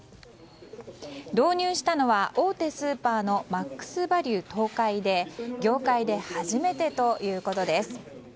導入したのは大手スーパーのマックスバリュ東海で業界で初めてということです。